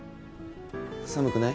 寒くない？